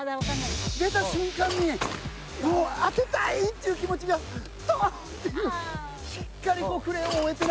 出た瞬間に、「当てたい」っていう気持ちがダーッて。